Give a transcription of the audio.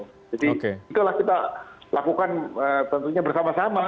jadi itulah kita lakukan tentunya bersama sama